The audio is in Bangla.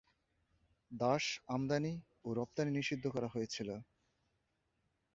দাস আমদানি ও রপ্তানি নিষিদ্ধ করা হয়েছিল।